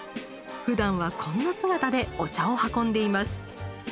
ふだんはこんな姿でお茶を運んでいます。